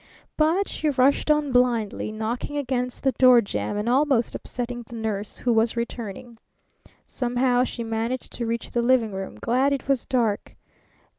But she rushed on blindly, knocking against the door jamb and almost upsetting the nurse, who was returning. Somehow she managed to reach the living room, glad it was dark.